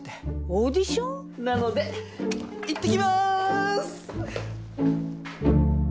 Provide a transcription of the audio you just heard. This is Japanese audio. オーディション？なのでいってきまーす！